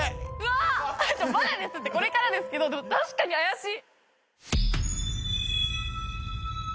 まだですってこれからですけどでも確かに怪しい！